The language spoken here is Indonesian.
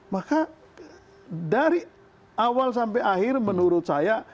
maka dari awal sampai akhir menurut saya